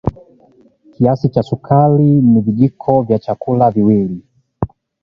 kiasi cha sukari ni vijiko vya chakula mbili